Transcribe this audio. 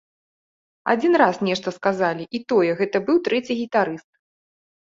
Адзін раз нешта сказалі, і тое, гэта быў трэці гітарыст.